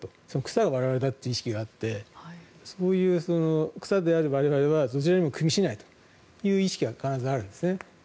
草が我々だという意識があってそういう草である我々はどちらにもくみしないという意識が必ずあるんですね。